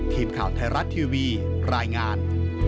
ทีมข่าวไทยรัฐทีวีรายงาน